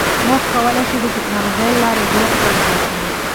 موږ کولی شو د ټکنالوژۍ له لارې ډیر څه زده کړو.